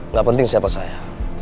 gak penting siapa saya